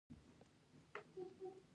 د هوایی دهلیز اسانتیاوې شته؟